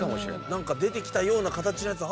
何か出て来たような形のやつ。